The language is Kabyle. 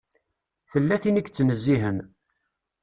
Tella tin i yettnezzihen.